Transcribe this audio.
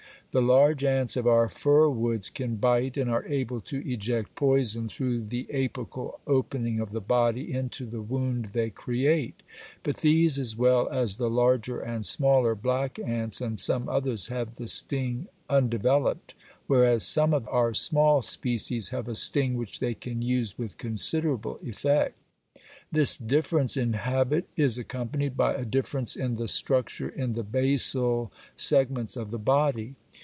The large ants of our fir woods can bite and are able to eject poison through the apical opening of the body into the wound they create, but these as well as the larger and smaller black ants and some others have the sting undeveloped, whereas some of our small species have a sting which they can use with considerable effect; this difference in habit is accompanied by a difference in the structure in the basal segments of the body.